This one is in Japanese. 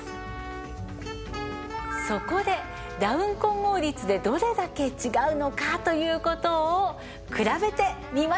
そこでダウン混合率でどれだけ違うのかという事を比べてみました。